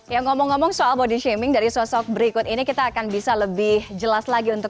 yang ngomong ngomong soal body shaming dari sosok berikut ini kita akan bisa lebih jelas lagi untuk